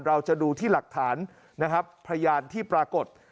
เราจะดูที่หลักฐานนะครับพยานที่ปรากฏ